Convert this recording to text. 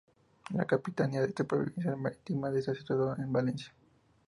La capitanía de esta provincia marítima está situada en Valencia.